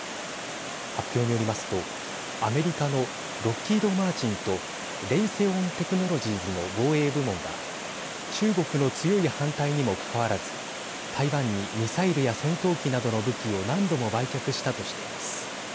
発表によりますと、アメリカのロッキード・マーチンとレイセオン・テクノロジーズの防衛部門は中国の強い反対にもかかわらず台湾にミサイルや戦闘機などの武器を何度も売却したとしています。